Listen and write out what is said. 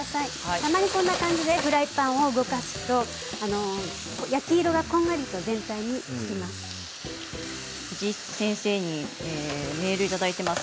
たまにフライパンを動かすと焼き色がこんがりと全体にいきます。